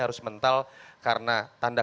harus mental karena tanda